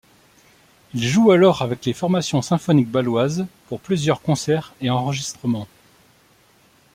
Il joue alors avec les formations symphoniques bâloises pour plusieurs concerts et enregistrements.